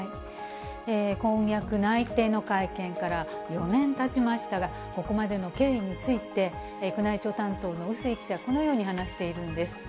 婚約内定の会見から４年たちましたが、ここまでの経緯について、宮内庁担当の笛吹記者はこのように話しているんです。